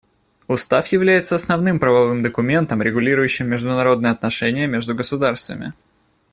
Устав является основным правовым документом, регулирующим международные отношения между государствами.